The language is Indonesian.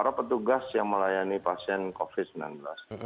karena petugas yang melayani pasien covid sembilan belas